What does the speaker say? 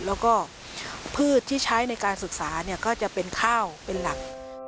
แล้วก็พืชที่ใช้ในการศึกษาก็จะเป็นข้าวเป็นหลัก